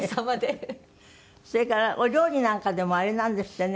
それからお料理なんかでもあれなんですってね